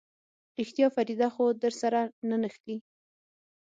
رښتيا فريده خو درسره نه نښلي.